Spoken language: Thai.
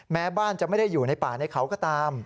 แม้บ้านจะไม่ได้อยู่ในป่าในเขาก็ตาม